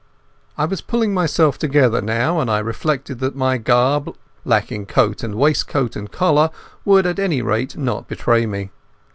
I was pulling myself together now, and I reflected that my garb, lacking coat and waistcoat and collar, would at any rate not betray me.